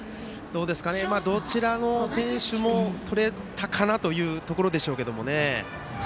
どちらの選手もとれたかなというところですが。